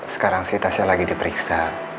sekarang sih tasya lagi diperiksa